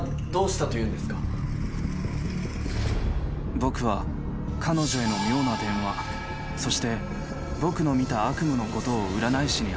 「僕は彼女への妙な電話そして僕の見た悪夢のことを占い師に話した」